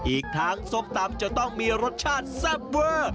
อีกทั้งส้มตำจะต้องมีรสชาติแซ่บเวอร์